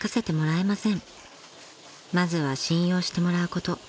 ［まずは信用してもらうこと。